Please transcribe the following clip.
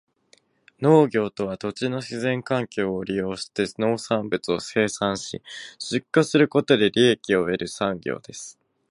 農業とは、土地の自然環境を利用して農産物を生産し、出荷することで利益を得る産業です。